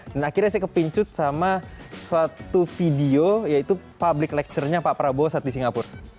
dan akhirnya saya kepincut sama suatu video yaitu public lecternya pak prabowo saat di singapura